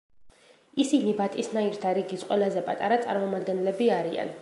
ისინი ბატისნაირთა რიგის ყველაზე პატარა წარმომადგენლები არიან.